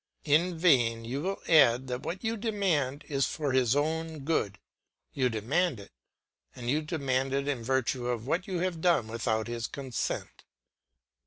In vain you will add that what you demand is for his own good; you demand it, and you demand it in virtue of what you have done without his consent.